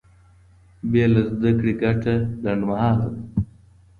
بې له زده کړې ګټه لنډمهاله ده.